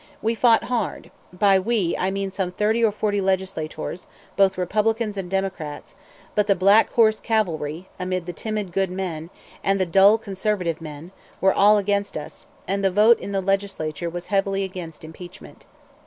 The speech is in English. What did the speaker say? We fought hard by "we" I mean some thirty or forty legislators, both Republicans and Democrats but the "black horse cavalry," and the timid good men, and the dull conservative men, were all against us; and the vote in the Legislature was heavily against impeachment.